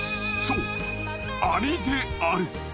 そうアリである。